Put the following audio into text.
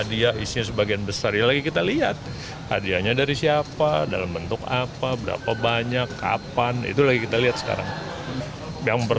dalam bentuk apa berapa banyak kapan itu lagi kita lihat sekarang